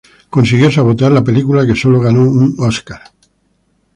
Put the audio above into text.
Consiguió sabotear la película, que sólo ganó un Óscar.